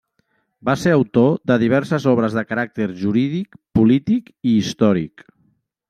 Va ser autor de diverses obres de caràcter jurídic-polític i històric.